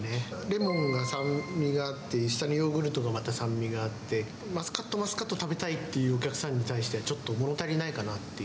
レモンが酸味があって、下にヨーグルトのまた酸味があって、マスカット、マスカット食べたいっていうお客さんに対してはちょっともの足りないかなって。